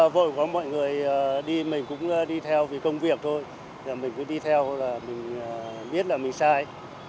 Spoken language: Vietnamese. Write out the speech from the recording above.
vợ có mọi người đi mình cũng đi theo vì công việc thôi mình cứ đi theo là mình biết là mình sai